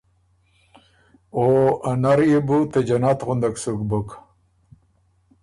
او ا نر يې بو ته جنت غُندک سُک بُک